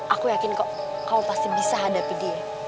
aku yakin kau pasti bisa hadapi dia